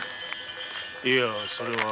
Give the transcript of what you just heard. いやそれは。